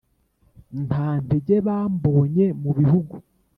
nta ntege bambonye mu bihugu,